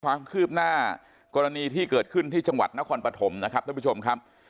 ความคืบหน้ากรณีที่เกิดขึ้นที่จังหวัดนครปฐมนะครับท่านผู้ชมครับ